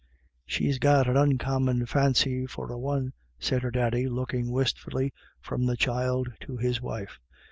" She's got an uncommon fancy for a one," said her daddy, looking wistfully from the child to his wife.